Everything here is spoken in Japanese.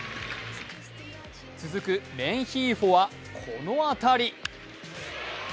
続くレンヒーフォはこの当たり。